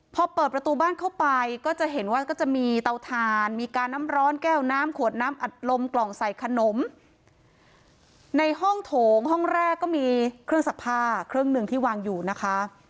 พอเปิดประตูบ้านเข้าไปก็จะเห็นว่าก็จะมีเตาถ่านมีการน้ำร้อนแก้วน้ำขวดน้ำอัดลมกล่องใส่ขนมในห้องโถงห้องแรกก็มีเครื่องซักผ้าเครื่องหนึ่งที่วางอยู่นะคะ